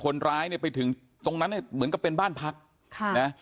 คนร้ายเนี่ยไปถึงตรงนั้นเนี่ยเหมือนกับเป็นบ้านพักค่ะนะ